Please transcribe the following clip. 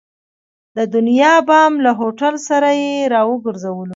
د دنیا بام له هوټل سره یې را وګرځولو.